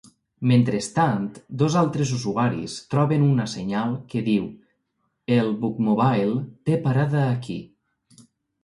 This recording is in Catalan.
Mentrestant, dos altres usuaris troben una senyal que diu "El Bookmobile té parada aquí".